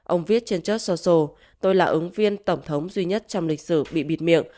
ông viết trên church social tôi là ứng viên tổng thống duy nhất trong lịch sử bị bịt miệng